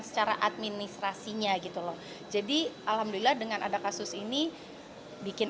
secara administrasinya gitu loh jadi alhamdulillah dengan ada kasus ini bikin